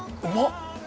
◆うまっ。